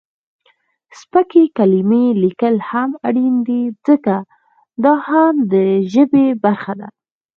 سپکې کلمې لیکل هم اړین دي ځکه، دا هم د ژبې برخه ده.